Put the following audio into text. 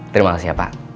terima kasih ya pak